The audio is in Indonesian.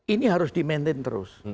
ini harus di maintain terus